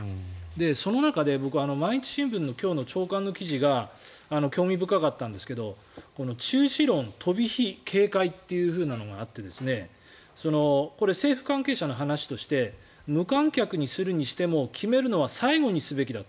その中で毎日新聞の今日の朝刊の記事が興味深かったんですが中止論飛び火警戒というのがあってこれ、政府関係者の話として無観客にするにしても決めるのは最後にすべきだと。